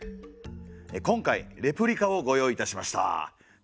今回レプリカをご用意いたしました。